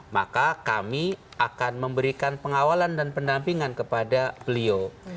maka kami akan memberikan pengawalan dan pendampingan kepada beliau